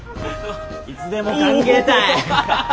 いつでも歓迎たい！